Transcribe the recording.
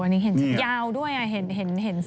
อันนี้เห็นยาวด้วยอ่ะเห็นเส้นยาวมาก